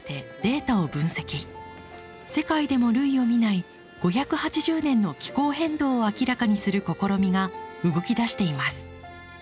世界でも類を見ない５８０年の気候変動を明らかにする試みが動き出しています。